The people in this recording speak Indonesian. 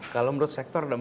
kalau menurut sektor ada empat